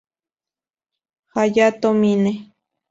Hayato Mine